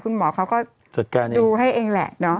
คุณหมอเขาก็ดูให้เองแหละ